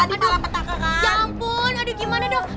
aduh ya ampun aduh gimana dong